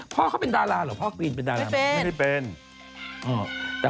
พ่อเขาเป็นดาราก่อนเหรอพ่อกรีนเป็นดารา